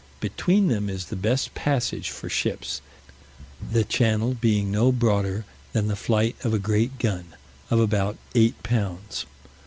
Between them is the best passage for ships, the channel being no broader than the flight of a great gun, of about eight pounds.